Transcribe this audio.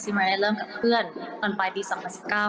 ที่มริยาณได้เริ่มกับเพื่อนตอนปลายปี๒๐๑๙ค่ะ